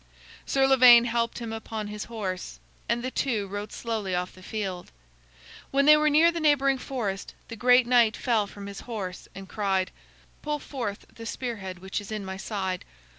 Sir Lavaine helped him upon his horse, and they two rode slowly off the field. When they were near the neighboring forest the great knight fell from his horse and cried: "Pull forth the spear head which is in my side."